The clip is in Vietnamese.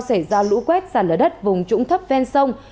xảy ra lũ quét sạt lở đất vùng trũng thấp ven sông